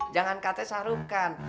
jangan katanya sarukan